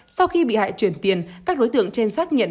sau khi bị hại chuyển tiền các đối tượng trên xác nhận